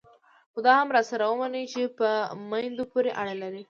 خو دا هم راسره ومنئ چې په میندو پورې اړه لري.